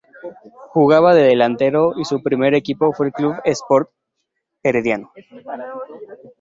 Jugaba de delantero y su primer equipo fue el Club Sport Herediano.